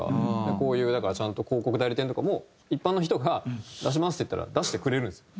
こういうだからちゃんと広告代理店とかも一般の人が出しますって言ったら出してくれるんですよ。